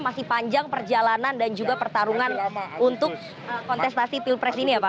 masih panjang perjalanan dan juga pertarungan untuk kontestasi pilpres ini ya pak